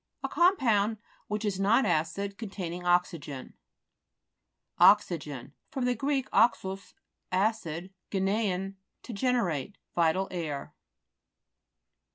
A compound, which is not acid, containing oxygen. O'xYGEtf fr. gr. oxus, acid, gennein, to generate. Vital air.